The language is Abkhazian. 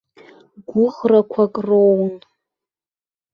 Гәыӷрақәак роун.